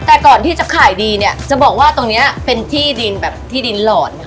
แต่ก่อนที่จะขายดีเนี่ยจะบอกว่าตรงนี้เป็นที่ดินแบบที่ดินหล่อน